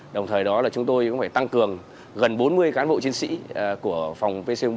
đồng thời đó là chúng tôi cũng phải tăng cường gần bốn mươi cán bộ chiến sĩ của phòng pc một